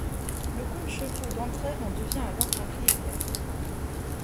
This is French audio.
Le comte Chevreau d'Antraigues en devient alors propriétaire.